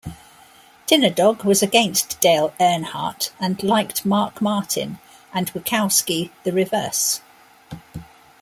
Tinadog was against Dale Earnhardt and liked Mark Martin, and Witkowski the reverse.